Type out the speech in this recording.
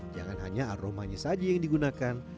jangan hanya aromanya saja yang digunakan